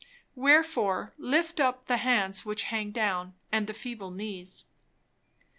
"Wherefore lift up the hands which hang down, and the feeble knees."